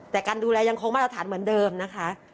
แต่การดูแลยังคงมาตรฐานเหมือนเดิมนะคะ